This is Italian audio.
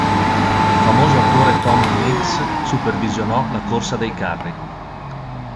Il famoso attore Tom Mix supervisionò la corsa dei carri.